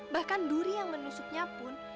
bahkan duri yang menusuknya pun